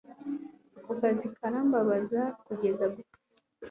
ako kazi karambabaza kugeza gupfa